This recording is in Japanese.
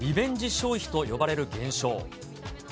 消費と呼ばれる現象。